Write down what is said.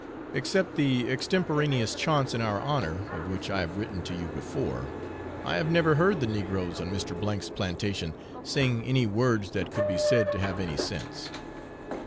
Except the extemporaneous chaunts in our honour, of which I have written to you before, I have never heard the negroes on Mr. 's plantation sing any words that could be said to have any sense.